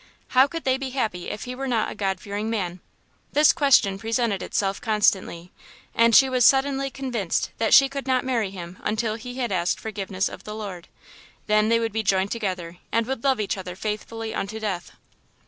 How could they be happy if he were not a God fearing man? This question presented itself constantly, and she was suddenly convinced that she could not marry him until he had asked forgiveness of the Lord. Then they would be joined together, and would love each other faithfully unto death.